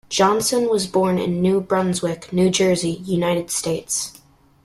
Johnson was born in New Brunswick, New Jersey, United States.